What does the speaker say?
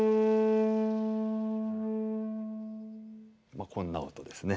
まあこんな音ですね。